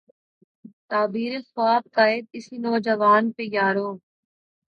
تعبیر ء خواب ء قائد، اسی نوجواں پہ یارو